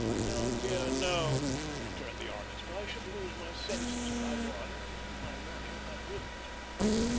"Oh, dear, no," returned the artist. "I should lose my senses if I won, and my money if I didn't.